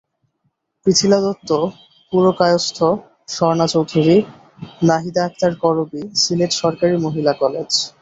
পৃথিলা দত্ত পুরকায়স্থ, স্বর্ণা চৌধুরী, নাহিদা আক্তার করবী, সিলেট সরকারি মহিলা কলেজ।